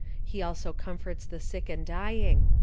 He also comforts the sick and dying.